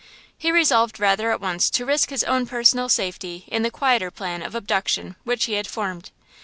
He resolved rather at once to risk his own personal safety in the quieter plan of abduction which he had formed.